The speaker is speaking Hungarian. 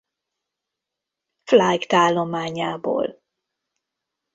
Flight állományából.